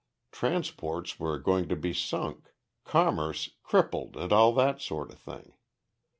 Transports were going to be sunk, commerce crippled and all that sort of thing.